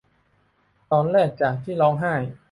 ตอนแรกจากที่ร้องให้